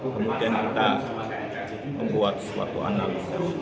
kemudian kita membuat suatu analisis